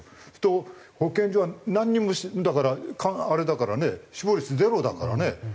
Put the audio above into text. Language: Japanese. そうすると保健所はなんにもだからあれだからね死亡率ゼロだからね。